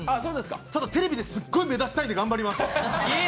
ただ、テレビですっごい目立ちたいんで頑張ります！